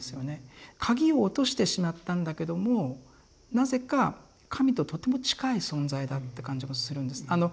鍵を落としてしまったんだけどもなぜか神ととても近い存在だって感じもするんです。